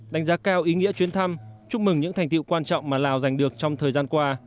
đánh giá cao ý nghĩa chuyến thăm chúc mừng những thành tiệu quan trọng mà lào giành được trong thời gian qua